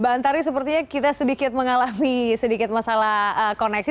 mbak antari sepertinya kita sedikit mengalami sedikit masalah koneksi